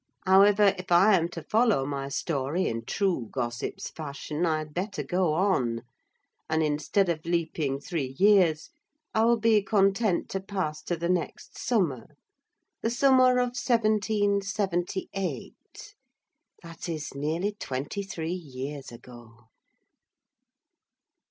However, if I am to follow my story in true gossip's fashion, I had better go on; and instead of leaping three years, I will be content to pass to the next summer—the summer of 1778, that is nearly twenty three years ago."